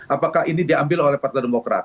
apakah ini diambil oleh partai demokrat